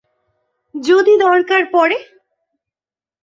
যদি দরকার পরে।